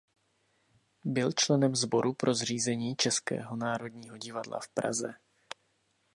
Byl členem Sboru pro zřízení českého Národního divadla v Praze.